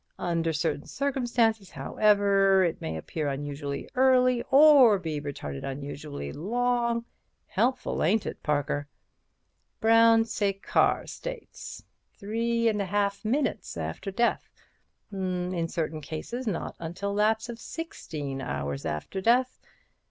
Under certain circumstances, however, it may appear unusually early, or be retarded unusually long!' Helpful, ain't it, Parker? 'Brown Séquard states ... 3 1/2 minutes after death.... In certain cases not until lapse of 16 hours after death